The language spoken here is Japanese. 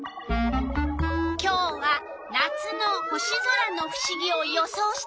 今日は「夏の星空」のふしぎを予想してほしいの。